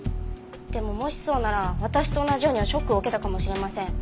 でももしそうなら私と同じようにショックを受けたかもしれません。